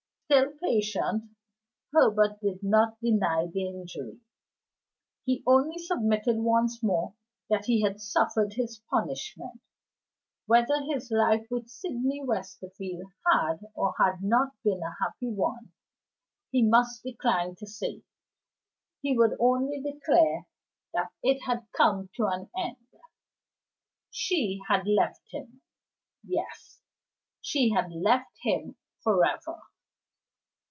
Still patient, Herbert did not deny the injury; he only submitted once more that he had suffered his punishment. Whether his life with Sydney Westerfield had or had not been a happy one, he must decline to say; he would only declare that it had come to an end. She had left him. Yes! she had left him forever.